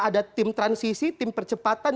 ada tim transisi tim percepatan